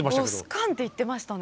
「ボス感」って言ってましたね。